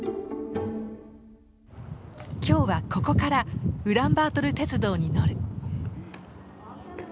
今日はここからウランバートル鉄道に乗る。